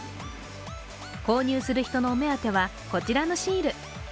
購入する人のお目当ては、こちらのシール。